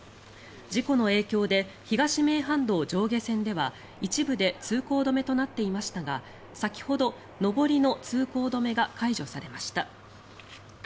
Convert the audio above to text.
事故の影響で東名阪道上下線では一部で通行止めとなっていましたが先ほど、上りの通行止めが解除されました。